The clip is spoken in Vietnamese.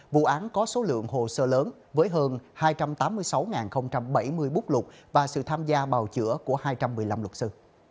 vụ án có số lượng hồ sơ lớn với hơn hai trăm tám mươi sáu bảy mươi bút lục và sự tham gia bào chữa của hai trăm một mươi năm luật sư